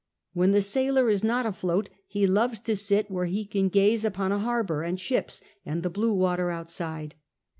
When the sailor is not afloat he loves to sit where lie can gaze U 2 )on a liarbour and sliijis and the blue water outside.